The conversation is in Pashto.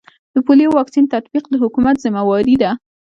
د پولیو واکسین تطبیق د حکومت ذمه واري ده